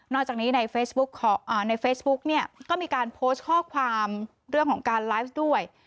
จากนี้ในเฟซบุ๊กเนี่ยก็มีการโพสต์ข้อความเรื่องของการไลฟ์ด้วย